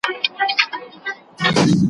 د ساده ژوند طرز يې ساتلی و.